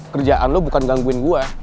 kerjaan lo bukan gangguin gue